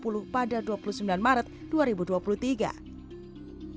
setelah insiden yang terjadi tentu masyarakat mengharapkan momentum kebangkitan olahraga indonesia